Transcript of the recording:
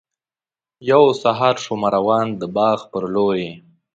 یو سهار شومه روان د باغ پر لوري.